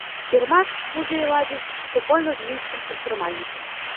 Кірмаш музей ладзіць супольна з мінскім прадпрымальнікам.